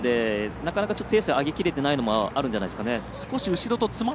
なかなか、ペースを上げ切れてないのがあるんじゃないですかね。